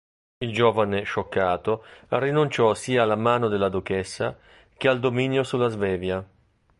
Il giovane scioccato rinunciò sia alla mano della duchessa che al dominio sulla Svevia.